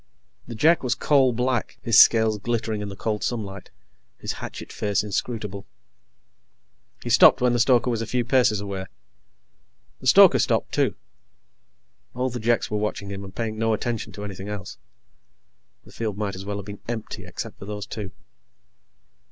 The Jek was coal black, his scales glittering in the cold sunlight, his hatchet face inscrutable. He stopped when the stoker was a few paces away. The stoker stopped, too. All the Jeks were watching him and paying no attention to anything else. The field might as well have been empty except for those two.